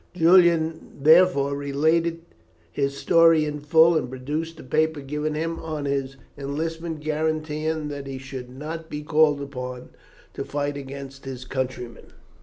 Julian therefore related his story in full, and produced the paper given him on his enlistment, guaranteeing that he should not be called upon to fight against his countrymen.